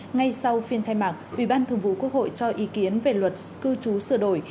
ngay sau phiên khai mạc ủy ban thường vụ quốc hội cho ý kiến về luật cư trú sửa đổi